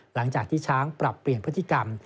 หลังจากที่ช้างปรับเปลี่ยนพฤติกรรม